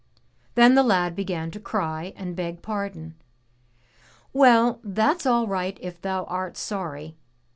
Then the lad began to cry and beg pardon. "Well, that's all right if thou art sorry!